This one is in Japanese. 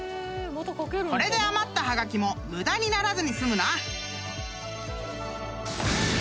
［これで余ったはがきも無駄にならずに済むな］